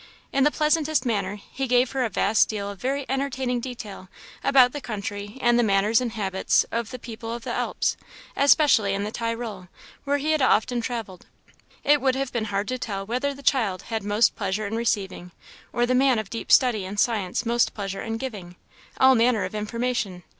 In the pleasantest manner he gave her a vast deal of very entertaining detail about the country, and the manners and habits of the people of the Alps, especially in the Tyrol, where he had often travelled. It would have been hard to tell whether the child had most pleasure in receiving, or the man of deep study and science most pleasure in giving, all manner of information.